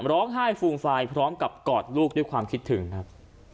ร้องไห้ฟูมฟายพร้อมกับกอดลูกด้วยความคิดถึงครับ